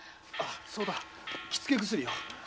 そうだ気付け薬を。